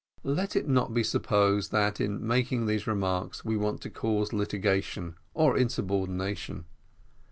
Let it not be supposed that in making these remarks we want to cause litigation, or insubordination.